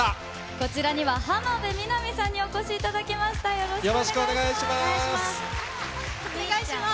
こちらには浜辺美波さんにお越しいただきました、よろしくお願いします。